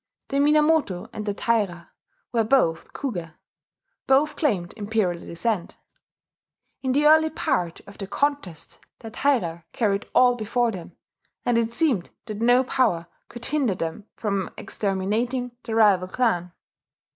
The Minamoto and the Taira were both Kuge; both claimed imperial descent. In the early part of the contest the Taira carried all before them; and it seemed that no power could hinder them from exterminating the rival clan.